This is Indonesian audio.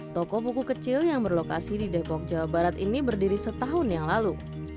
toko buku kecil yang berlokasi di depok jawa barat ini berdiri setahun yang lalu